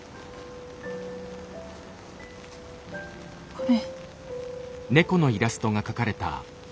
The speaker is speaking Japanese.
これ。